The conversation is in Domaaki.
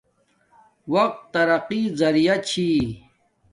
وقت ترقی زیعہ چھی